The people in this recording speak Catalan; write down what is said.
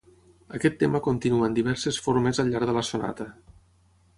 Aquest tema continua en diverses formes al llarg de la sonata.